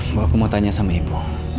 bahwa aku mau tanya sama ibu